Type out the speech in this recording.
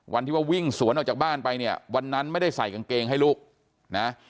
วันที่ว่าวิ่งสวนออกจากบ้านไปเนี่ยวันนั้นไม่ได้ใส่กางเกงให้ลูกนะ